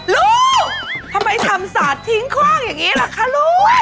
ลูกทำไมทำสาดทิ้งโคกอย่างนี้ล่ะคะลูก